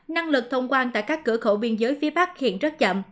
năng lực thông quan tại các cửa khẩu biên giới phía bắc hiện rất chậm